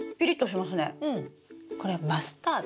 これマスタード。